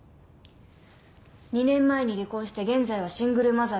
２年前に離婚して現在はシングルマザーです。